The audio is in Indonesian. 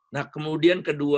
nah kemudian kedua